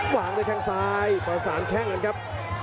วางด้วยแข้งซ้ายประสานแข้งกันครับ